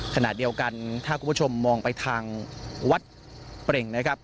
ขณะเดียวกันถ้าคุณผู้ชมมองไปทางวัดเปร่งนะครับ